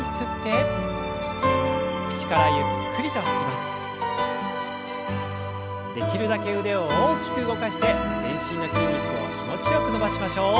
できるだけ腕を大きく動かして全身の筋肉を気持ちよく伸ばしましょう。